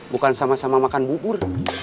bukan sama sama makan bubur